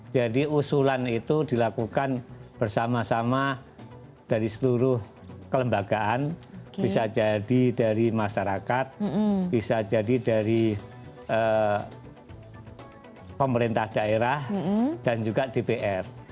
jadi usulan itu dilakukan bersama sama dari seluruh kelembagaan bisa jadi dari masyarakat bisa jadi dari pemerintah daerah dan juga dpr